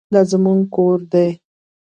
دا زموږ ګور دی؟